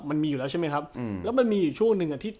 มันมีอยู่แล้วใช่ไหมครับแล้วมันมีอยู่ช่วงหนึ่งอาทิตย์